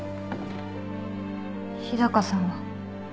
日高さんは。